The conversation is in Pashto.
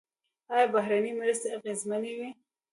آیا بهرنۍ مرستې اغیزمنې وې؟